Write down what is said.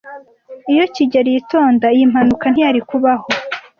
Iyo kigeli yitonda, iyi mpanuka ntiyari kubaho.